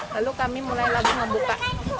lalu kami mulai lagi membuka